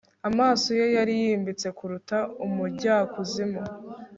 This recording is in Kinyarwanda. Amaso ye yari yimbitse kuruta ubujyakuzimu